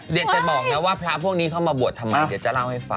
อยากจะบอกนะว่าพระพวกนี้เข้ามาบวชทำไมเดี๋ยวจะเล่าให้ฟัง